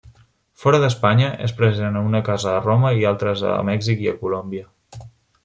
Fora d'Espanya, és present a una casa a Roma i altres a Mèxic i Colòmbia.